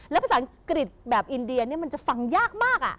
แล้วภาษาอังกฤษแบบอินเดียมันจะฟังยากมาก